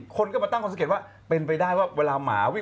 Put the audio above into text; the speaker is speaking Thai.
คนก็มาตั้งความสังเกตว่าเป็นไปได้ว่าเวลาหมาวิ่ง